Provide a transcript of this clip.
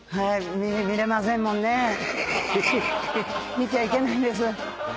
見ちゃいけないんです。